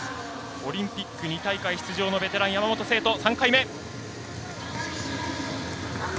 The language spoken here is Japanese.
オリンピック２大会出場の山本聖途３回目。